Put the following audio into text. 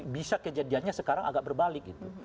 bisa kejadiannya sekarang agak berbalik gitu